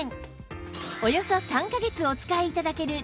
およそ３カ月お使い頂ける